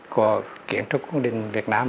của kiến trúc cung đình việt nam